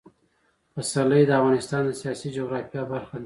پسرلی د افغانستان د سیاسي جغرافیه برخه ده.